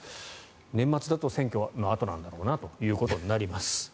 年末だと選挙のあとなんだろうなということになります。